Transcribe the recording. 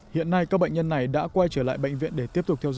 hiện nay các bệnh nhân này đã quay trở lại bệnh viện để tiếp tục điều trị